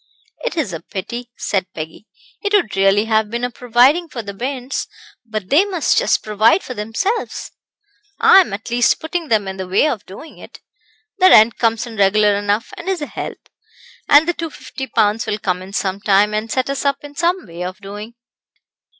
"It is a pity," said Peggy. "It would really have been a providing for the bairns; but they must just provide for themselves. I am, at least, putting them in the way of doing it. The rent comes in regular enough, and is a help; and the 250 pounds will come in some time, and set us up in some way of doing."